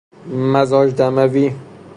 مزاج دموی